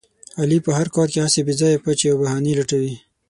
علي په هر کار کې هسې بې ځایه پچې او بهانې لټوي.